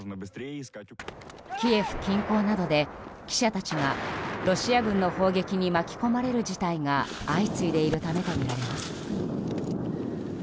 キエフ近郊などで記者たちがロシア軍の砲撃に巻き込まれる事態が相次いでいるためとみられます。